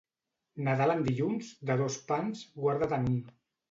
Nadal en dilluns, de dos pans, guarda-te'n un.